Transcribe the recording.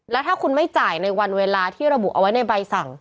แล้วถ้าคุณไม่จ่ายในวันเวลาที่ระบุเอาไว้ในใบสั่ง